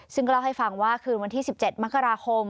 ซึ่งก็เล่าให้ฟังว่าคืนวันที่๑๗มกราคม